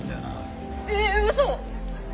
えっ嘘！？